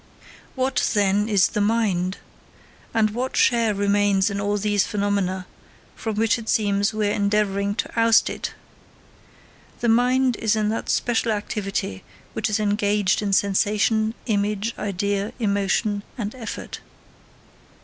What, then, is the mind? And what share remains to it in all these phenomena, from which it seems we are endeavouring to oust it? The mind is in that special activity which is engaged in sensation, image, idea, emotion, and effort.